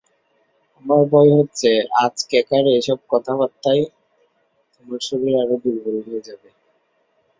আমার ভয় হচ্ছে আজকেকার এই-সব কথাবার্তায় তোমার শরীর আরো দুর্বল হয়ে যাবে।